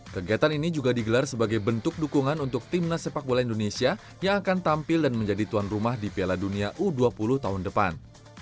kegiatan ini juga digelar sebagai bentuk dukungan untuk timnas sepak bola indonesia yang akan tampil dan menjadi tuan rumah di piala dunia u dua puluh tahun depan